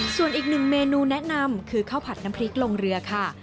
ส่วนอีกหนึ่งเมนูแนะนำคือข้าวผัดน้ำพริกลงเรือค่ะ